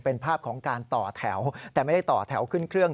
เป็นภาพของการต่อแถวแต่ไม่ได้ต่อแถวขึ้นเครื่อง